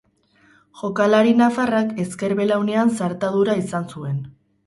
Jokalari nafarrak ezker belaunean zartadura izan zuen.